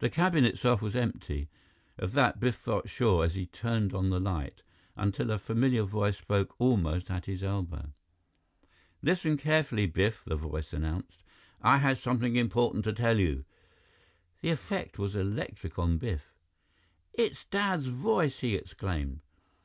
The cabin itself was empty. Of that, Biff felt sure as he turned on the light, until a familiar voice spoke almost at his elbow. "Listen carefully, Biff," the voice announced. "I have something important to tell you " The effect was electric on Biff. "It's Dad's voice!" he exclaimed.